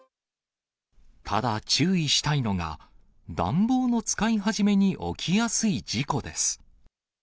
ただ、注意したいのが、暖房の使い始めに起きやすい事故です。